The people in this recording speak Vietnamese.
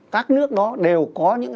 các nước đó đều có những